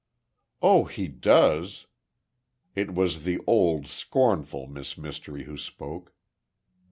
"Oh, he does!" It was the old, scornful Miss Mystery who spoke.